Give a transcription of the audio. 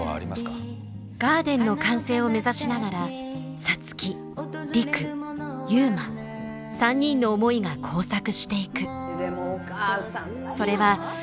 ガーデンの完成を目指しながら皐月陸悠磨３人の思いが交錯していく。